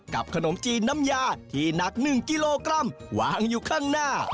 ขนมจีนน้ำยาที่หนัก๑กิโลกรัมวางอยู่ข้างหน้า